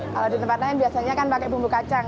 kalau di tempat lain biasanya kan pakai bumbu kacang